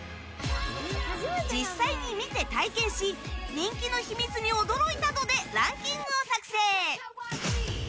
実際に見て体験し人気の秘密に驚いた度でランキングを作成。